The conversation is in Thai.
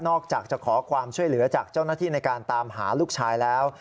อกจากจะขอความช่วยเหลือจากเจ้าหน้าที่ในการตามหาลูกชายแล้ว